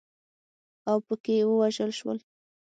اوپکي ووژل شول.